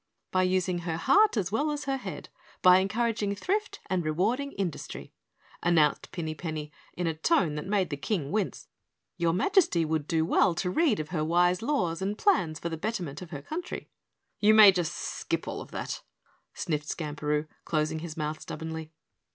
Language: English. "By using her heart as well as her head, by encouraging thrift and rewarding industry," announced Pinny Penny in a tone that made the King wince. "Your Majesty would do well to read of her wise laws and plans for the betterment of her country." "You may just skip all that," sniffed Skamperoo, closing his mouth stubbornly.